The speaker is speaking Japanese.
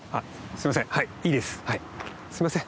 はいすいません。